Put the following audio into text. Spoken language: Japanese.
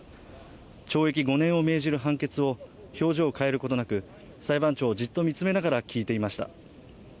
懲役５年を命じる判決を表情を変えることなく裁判長をじっと見つめながら聞いていました。